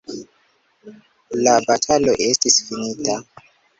La batalo estis finita.